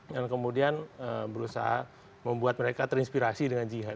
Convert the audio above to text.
dan kemudian berusaha membuat mereka terinspirasi dengan jadwal